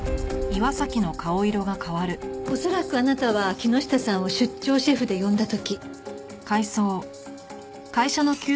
恐らくあなたは木下さんを出張シェフで呼んだ時。